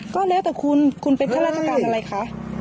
ก็แล้วแต่คุณคุณเป็นข้าราชการอะไรคะ